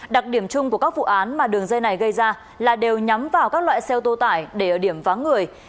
đặc điểm chung của các vụ án mà đường dây này gây ra là đều nhắm vào các loại xe ô tô tải để ở điểm vắng người